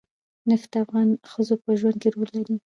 نفت د افغان ښځو په ژوند کې رول لري.